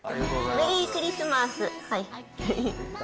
メリークリスマス。